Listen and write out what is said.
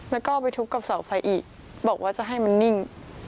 แล้วก็ไปทุบกับเสาไฟอีกบอกว่าจะให้มันนิ่ง